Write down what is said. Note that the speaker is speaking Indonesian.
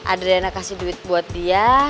adriana kasih duit buat dia